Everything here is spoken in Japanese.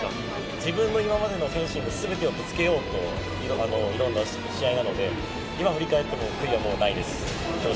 自分の今までのフェンシングすべてをぶつけようと挑んだ試合なので、今振り返っても悔いはもうないです。